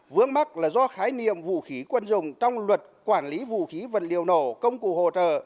vướng mắt là do khái niệm vũ khí quân dùng trong luật quản lý vũ khí vật liệu nổ công cụ hỗ trợ